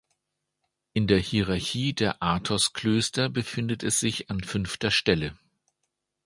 In der Hierarchie der Athos-Klöster befindet es sich an fünfter Stelle.